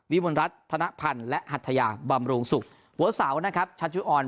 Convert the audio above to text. มลรัฐธนพันธ์และหัทยาบำรุงศุกร์หัวเสานะครับชัชจุออน